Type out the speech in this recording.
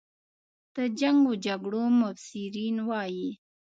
د جنګ و جګړو مبصرین وایي.